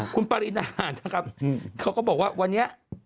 คุณปรินานะครับเขาก็บอกว่าวันนี้